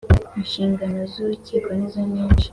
Inshingano z ‘urukiko nizo nyinshi.